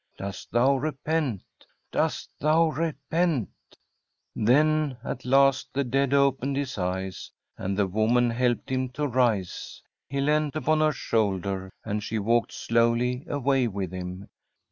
Dost thou repent ? dost thou repent ?' Then at last the dead opened his eyes, and the woman helped him to rise. He leant upon her shoulder, and she walked slowly away with him.